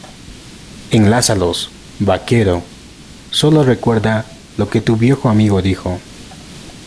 Enlázalos, vaquero. Sólo recuerda lo que tu viejo amigo dijo .